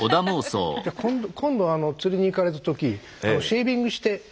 今度釣りに行かれた時シェービングして。